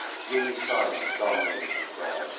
Gloomy silence dominated the crowd.